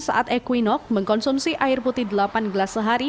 saat equinok mengkonsumsi air putih delapan gelas sehari